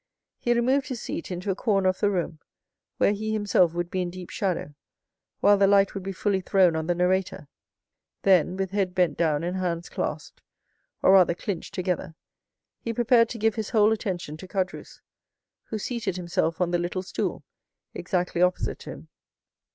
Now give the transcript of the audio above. He removed his seat into a corner of the room, where he himself would be in deep shadow, while the light would be fully thrown on the narrator; then, with head bent down and hands clasped, or rather clenched together, he prepared to give his whole attention to Caderousse, who seated himself on the little stool, exactly opposite to him.